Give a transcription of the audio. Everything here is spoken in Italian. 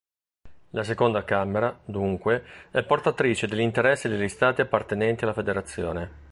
La seconda camera, dunque, è portatrice degli interessi degli Stati appartenenti alla federazione.